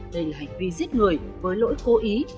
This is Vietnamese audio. đây là hành vi giết người với lỗi cố ý